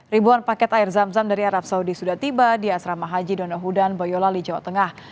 ribuan paket air zam zam dari arab saudi sudah tiba di asrama haji donohudan boyolali jawa tengah